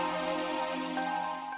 sini kita balik lagi